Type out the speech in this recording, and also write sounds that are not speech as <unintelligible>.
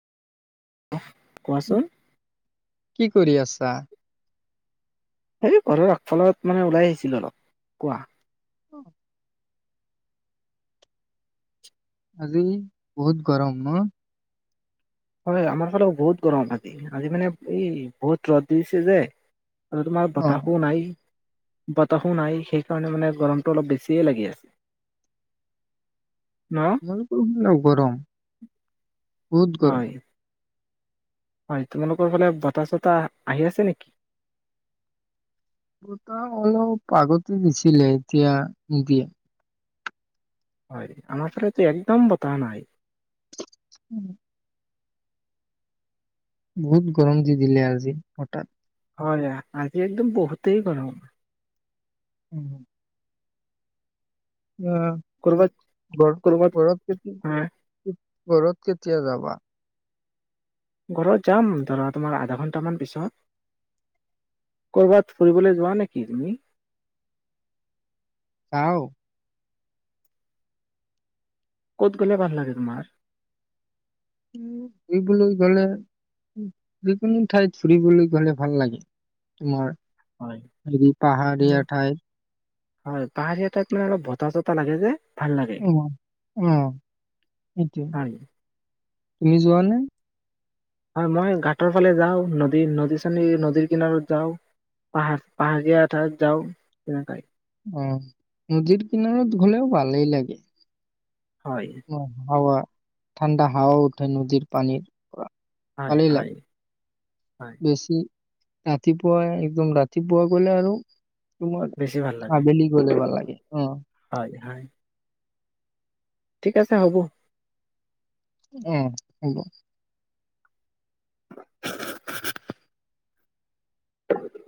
কি কোৱাচোন। কি কৰি আছা? সেই ঘৰৰ আগফালত মানে ওলাই আহিছিল অলপ। কোৱা? <unintelligible> আজিও বহুত গৰম ন। হয়, আমাৰ ফালে বহুত গৰম আজি, আজি মানে, এই বহুত ৰ'দ দিছে যে। আৰু তোমাৰ অ', বতাহো নাই, বতাহো নাই, সেইকাৰণে, মানে গৰমটো অলপ বেছিয়ে লাগি আছে। ন। গৰম, বহুত গৰম। হয় হয়, তোমালোকৰ ফালে বতাহ-চতাহ আহি আছে নেকি? বতাহ অলপ আগতে দিছিলে, এতিয়া নিদিয়ে। হয়, আমাৰ ফালেটো একদম, বতাহ নাই। <inaudible> বহুত গৰম, দি দিলে আজি হঠাৎ। হয়, আজি একদম বহুতেই গৰম। <inaudible> <unintelligible> কৰ'বাত কৰ'বাত আহ, ঘৰত কেতিয়া যাবা? ঘৰত যাম, ধৰা তোমাৰ আধা ঘন্টামান পিছত। ক'ৰবাত ফুৰিবলৈ যোৱা নেকি তুমি? যাওঁ। ক'ত গ'লে, ভাল লাগে তোমাৰ। ফুৰিবলৈ গ'লে, যিকোনো ঠাইত ফুৰিবলৈ গ'লে ভাল লাগে। তোমাৰ। হয়, হেৰি পাহাৰীয়া উম। ঠাইত। হয়, পাহাৰীয়া ঠাইত অলপ বতাহ-চতাহ লাগে যে। ভাল লাগে অ', অ', সেইটোৱে, হয় তুমি যোৱানে? হয়, মই ঘাটৰ ফালে যাওঁ, নদী, নদী চনী, নদীৰ কিনাৰত যাওঁ। পাহাৰ, পাহাৰিয়া ঠাইত যাওঁ তেনেকায়। অ', নদীৰ কিনাৰত গ'লেও, ভালেই লাগে। হয়। হাৱা, ঠাণ্ডা হাৱাও উঠে, নদীৰ পানীৰ পৰা। হয় পানীলে, হয় হয় বেছি ৰাতিপুৱা একদম, ৰাতিপুৱা গ'লে আৰু। তোমাৰ, বেছি ভাল লাগে আবেলি গ'লে ভাল লাগে, অ'। হয়, হয়। ঠিক আছে, হ'ব। উম, হ'ব।